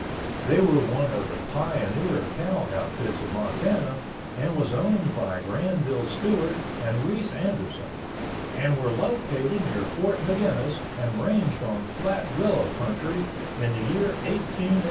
They were one of the pioneer cow outfits of Montana and was owned by Granville Stuart and Reese Anderson, and were located near Fort Maginnis and ranged on Flat Willow country in the year of 1887.